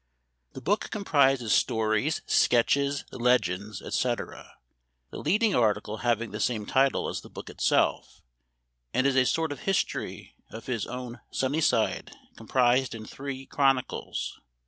The book comprises stories, sketches, legends, etc., the leading article having the same title as the book itself, and is a sort of history of his own Sunnyside comprised in three " Chron icles."